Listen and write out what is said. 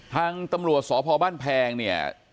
ทางตำรวจสพบ้านแพงเนี่ย